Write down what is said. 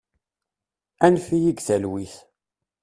Annef-iyi deg talwit!